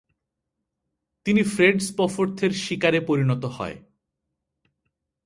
তিনি ফ্রেড স্পফোর্থের শিকারে পরিণত হয়।